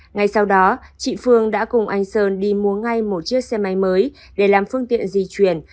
ngay sau đó chị phương đã cùng anh sơn đi mua ngay một chiếc xe máy mới để làm phương tiện di chuyển